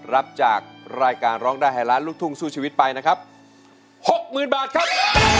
รับจากรายการร้องได้ให้ล้านลูกทุ่งสู้ชีวิตไปนะครับ๖๐๐๐บาทครับ